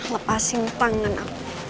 lepasin tangan aku